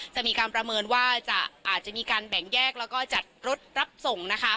จะมีการประเมินว่าอาจจะมีการแบ่งแยกแล้วก็จัดรถรับส่งนะคะ